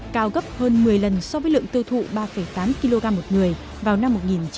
cao gấp hơn một mươi lần so với lượng tiêu thụ ba tám kg một người vào năm một nghìn chín trăm bảy mươi